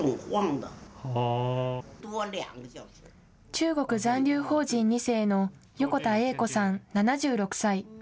中国残留邦人２世の横田永子さん、７６歳。